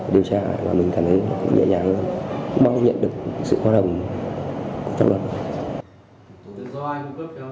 điều tra là mình cảm thấy dễ dàng báo nhận được sự hoạt động của các đối tượng